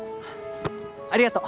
ありがとう！